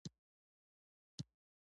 هندوکش د ښځو په ژوند کې دي.